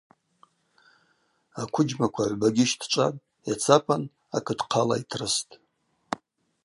Аквыджьмаква агӏвбагьи щтӏчӏватӏ, йацапан акытхъала йтрыстӏ.